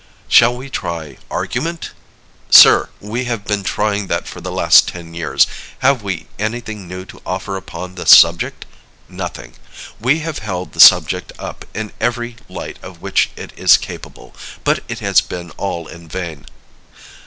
Shall we try argument? Sir, we have been trying that for the last ten years. Have we anything new to offer upon the subject? Nothing. We have held the subject up in every light of which it is capable; but it has been all in vain.